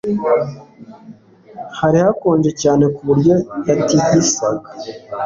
Hari hakonje cyane kuburyo yatigisaga